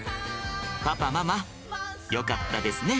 パパママよかったですね。